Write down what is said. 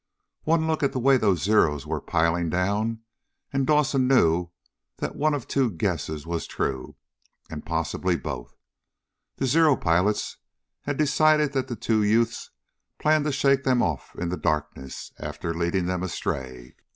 One look at the way those Zeros were piling down and Dawson knew that one of two guesses was true. And possibly both. The Zero pilots had decided that the two youths planned to shake them off in the darkness, after leading them astray.